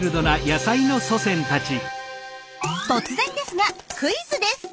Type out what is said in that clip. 突然ですがクイズです！